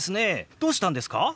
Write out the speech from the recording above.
どうしたんですか？